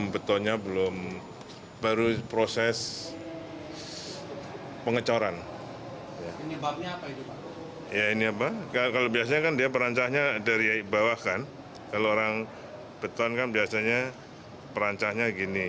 biasanya kan dia perancahnya dari bawah kan kalau orang beton kan biasanya perancahnya gini